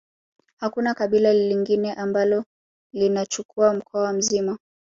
Hakuna kabila lingine ambalo linachukua mkoa mzima